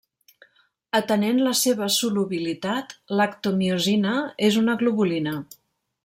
Atenent la seva solubilitat, l'actomiosina és una globulina.